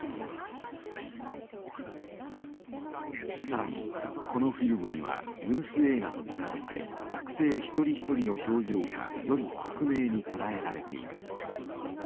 更にこのフィルムにはニュース映画と比べて学生一人一人の表情がより克明に捉えられています。